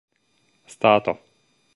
stato